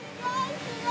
すごい！